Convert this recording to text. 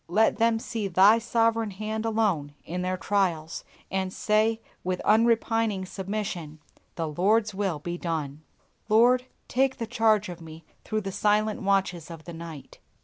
Let them see Thy sovereign hand alone in their trials, and say with unrepining submission, "The Lord's will be done!" Lord, take the charge of me through the silent watches of the night.